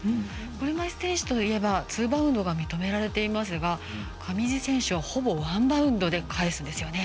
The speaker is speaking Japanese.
車いすテニスといえばツーバウンドが認められていますが上地選手はほぼワンバウンドで返すんですよね。